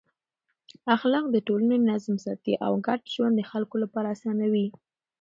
اخلاق د ټولنې نظم ساتي او ګډ ژوند د خلکو لپاره اسانوي.